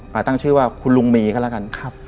มาตั้งชื่อว่าคุณลุงมีก็แล้วกัน